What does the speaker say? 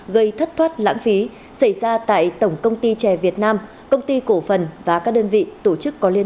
gây thất thoát lãng phí xảy ra tại tổng công ty trẻ việt nam công ty cổ phần và các đơn vị tổ chức có liên